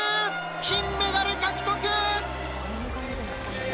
金メダル獲得！